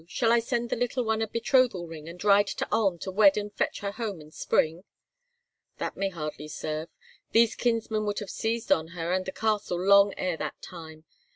Shall I send the little one a betrothal ring, and ride to Ulm to wed and fetch her home in spring?" "That may hardly serve. These kinsmen would have seized on her and the castle long ere that time.